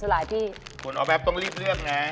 สลายพี่คุณเอาแบบต้องรีบเลือกนะ